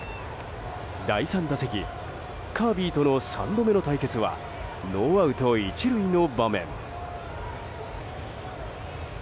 第３打席、カービーとの３度目の対決はノーアウト１塁の場面。